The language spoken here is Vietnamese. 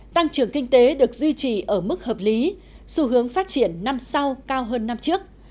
tăng trưởng kinh tế được duy trì ở mức hợp lý xu hướng phát triển năm sau cao hơn năm trước